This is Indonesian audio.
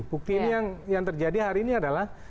bukti ini yang terjadi hari ini adalah